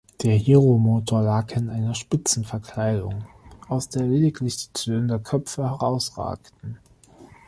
Der Hiero-Motor lag in einer spitzen Verkleidung, aus der lediglich die Zylinderköpfe herausragten.